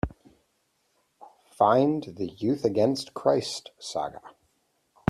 Find the Youth Against Christ saga